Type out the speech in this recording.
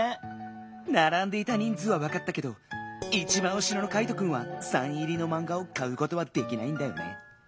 ならんでいたにんずうはわかったけどいちばんうしろのカイトくんはサイン入りのマンガをかうことはできないんだよね。